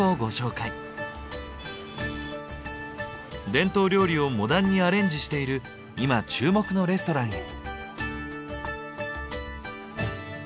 伝統料理をモダンにアレンジしている今注目のレストランへ。